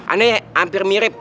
aneh hampir mirip